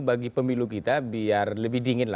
bagi pemilu kita biar lebih dingin